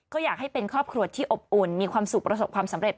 ก็อยากให้เป็นครอบครัวที่อบอุ่นมีความสุขประสบความสำเร็จ